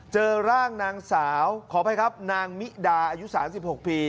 เจอร่างนางสาวขออภัยครับนางมิดาอายุ๓๖ปี